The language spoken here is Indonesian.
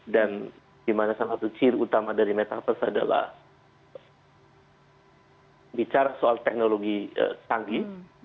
dan di mana salah satu ciri utama dari metaverse adalah bicara soal teknologi sanggi